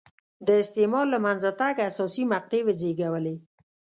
د استعمار له منځه تګ حساسې مقطعې وزېږولې.